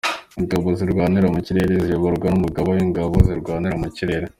Ingabo Zirwanira mu Kirere ziyoborwa n’Umugaba w’Ingabo Zirwanira mu Kirere.